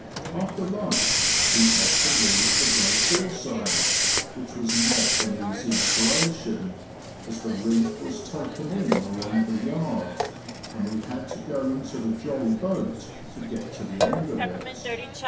After lunch we had to reef the great foresail, which was not an easy operation, as the reef was taken in along the yard, and we had to go into the jolly boat to get to the end of it.